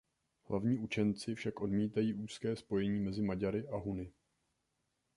Hlavní učenci však odmítají úzké spojení mezi Maďary a Huny.